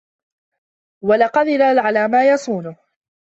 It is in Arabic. وَلَقَدِرَ عَلَى مَا يَصُونَهُ